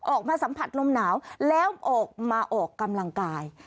ออกมาสัมผัสลมหนาวแล้วออกมาออกกำลังกาย